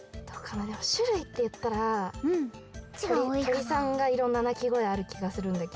でもしゅるいっていったらとりさんがいろんななきごえあるきがするんだけど。